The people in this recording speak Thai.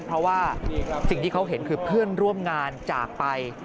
เพราะว่าสิ่งที่เขาเห็นคือเพื่อนร่วมงานจากไป